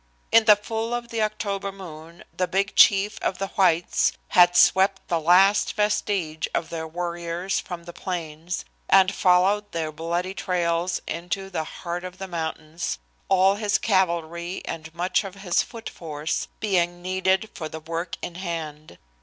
In the full of the October moon the big chief of the whites had swept the last vestige of their warriors from the plains, and followed their bloody trails into the heart of the mountains, all his cavalry and much of his foot force being needed for the work in hand.